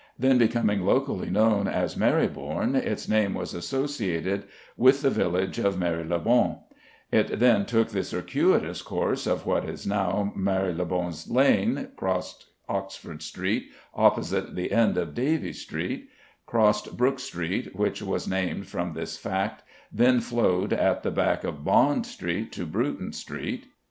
Then becoming locally known as the Marybourne, its name was associated with the village of Marylebone; it then took the circuitous course of what is now Marylebone Lane, crossed Oxford Street opposite the end of Davies Street, crossed Brook Street, which was named from this fact, then flowed at the back of Bond Street to Bruton Street.